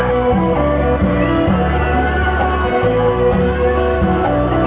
สวัสดีสวัสดี